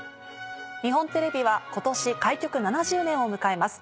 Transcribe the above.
日本テレビは今年開局７０年を迎えます。